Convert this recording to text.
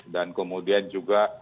dan kemudian juga